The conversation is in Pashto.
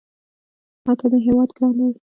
ماته مې هېواد ګران دی